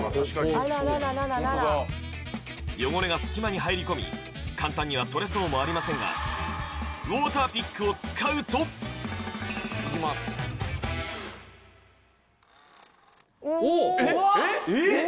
あららら汚れが隙間に入り込み簡単には取れそうもありませんがウォーターピックを使うといきますえっえっ！